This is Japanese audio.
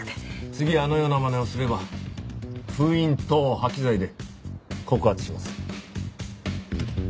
次あのようなまねをすれば封印等破棄罪で告発します。